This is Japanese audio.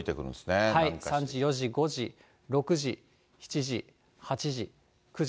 ３時、４時、５時、６時、７時、８時、９時。